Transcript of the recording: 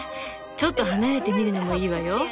ちょっと離れて見るのもいいわよ。